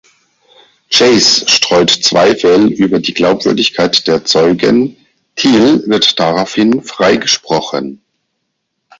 Chase streut Zweifel über die Glaubwürdigkeit der Zeugen, Thiel wird daraufhin freigesprochen.